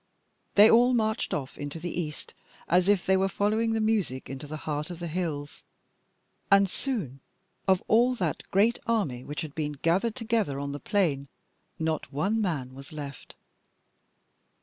They all marched off into the east, as if they were following the music into the heart of the hills, and soon, of all that great army which had been gathered together on the plain, not one man was left.